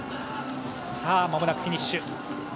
さあ、まもなくフィニッシュ。